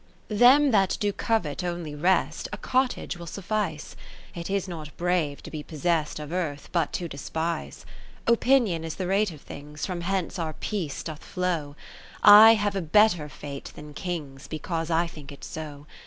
~ Them that do covet only rest, A cottage will suffice : It is not brave to be possest Of Earth, but to despise. Opinion is the rate of things, From hence our peace doth flow ; (i58) I have a better Fate than Kings, Because I think it so.